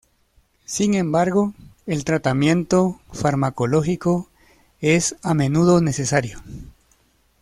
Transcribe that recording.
Sin embargo, el tratamiento farmacológico es a menudo necesario.